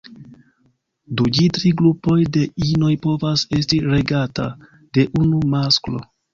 Du ĝi tri grupoj de inoj povas esti regata de unu masklo.